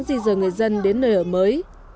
di dời người dân đến nơi ở mới